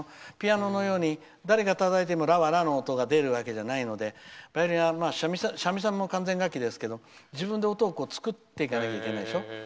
ピアノのように誰がたたいてもラはラの音が出るわけじゃないので三味線も完全楽器ですけど自分で音を作っていかないといけないでしょ。